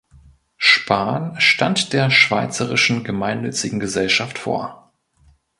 Spahn stand der Schweizerischen Gemeinnützigen Gesellschaft vor.